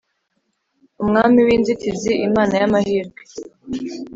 umwami w’inzitizi, imana y’amahirwe.